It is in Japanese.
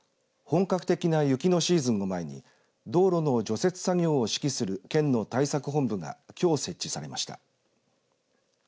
本格的な雪のシーズンを前に道路の除雪作業を指揮する県の対策本部がきょう設置されました。